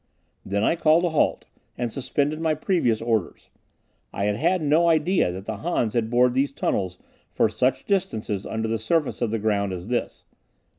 Then I called a halt, and suspended my previous orders. I had had no idea that the Hans had bored these tunnels for such distances under the surface of the ground as this.